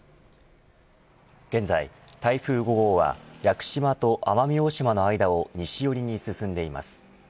現在、台風５号は屋久島と奄美大島の間を西寄りに進んでいます。